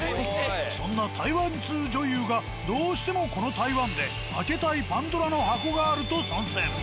そんな台湾通女優がどうしてもこの台湾で開けたいパンドラの箱があると参戦。